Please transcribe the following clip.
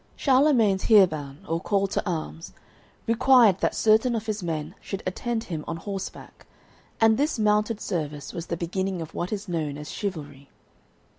Charlemagne's "heerban," or call to arms, required that certain of his men should attend him on horseback, and this mounted service was the beginning of what is known as chivalry.